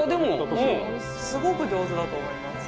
スゴく上手だと思います。